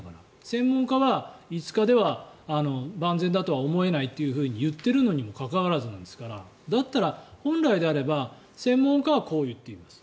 専門家は５日では万全だとは思えないと言っているのにもかかわらずなんですからだったら本来であれば専門家はこう言っています